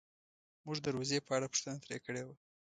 مونږ د روضې په اړه پوښتنه ترې کړې وه.